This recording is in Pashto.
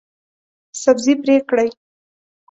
سبزي پرې کړئ